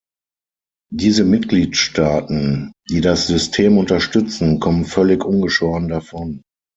Diese Mitgliedstaaten, die das System unterstützen, kommen völlig ungeschoren davon.